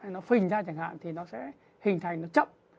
nó phình ra chẳng hạn thì nó sẽ hình thành nó chậm